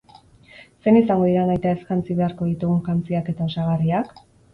Zein izango dira nahitaez jantzi beharko ditugun jantziak eta osagarriak?